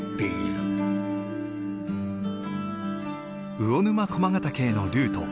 魚沼駒ヶ岳へのルート。